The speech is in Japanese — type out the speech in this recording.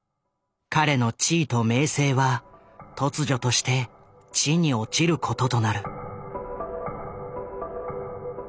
彼の地位と名声は突如として地に落ちることとなる。